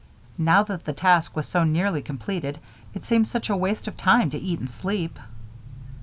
Now that the task was so nearly completed it seemed such a waste of time to eat and sleep.